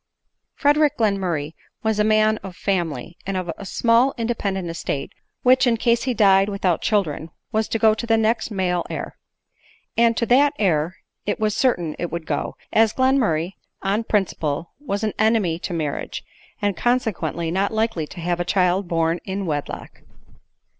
Frederic Glenmurray was a man of family, and of a small independent estate, which, in case he died with 24 ADELINE MOWBRAY. / out children, wasfo go to the next male heir ; and to that heir it was certain it would go, as Glenmurray on prin ciple was an enemy to marriage, and consequently not likely to have a, child born in wedlock.